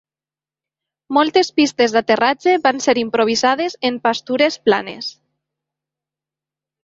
Moltes pistes d'aterratge van ser improvisades en pastures planes.